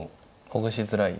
ほぐしづらい？